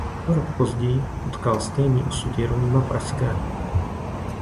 O rok později potkal stejný osud Jeronýma Pražského.